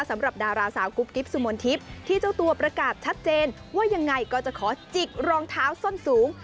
สำหรับดาราสาวกุ๊บกิ๊บสุมนทิพย์ที่เจ้าตัวประกาศชัดเจนว่ายังไงก็จะขอจิกรองเท้าส้นสูง